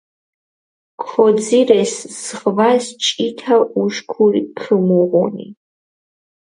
ქოძირეს, ზღვას ჭითა უშქური ქჷმუღუნი.